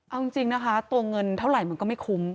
เอาจริงนะคะตัวเงินเท่าไหร่มันก็ไม่คุ้ม